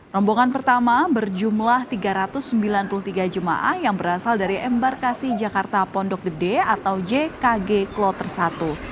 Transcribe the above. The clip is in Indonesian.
rombongan pertama berjumlah tiga ratus sembilan puluh tiga jemaah yang berasal dari embarkasi jakarta pondok gede atau jkg kloter satu